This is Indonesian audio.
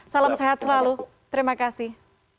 salam sehat selalu terima kasih